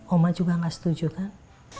oma juga nggak setuju kan